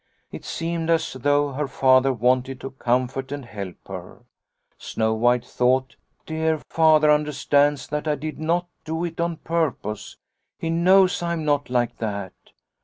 It seemed as though her Father wanted to comfort and help her. Snow White thought :' Dear Father under stands that I did not do it on purpose. He knows I am not like that.'